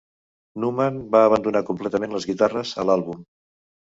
Numan va abandonar completament les guitarres a l'àlbum.